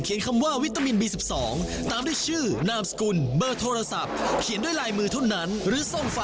คุณไปทิมเองเมื่อกี้วันไหวคุยตัวเองค่ะ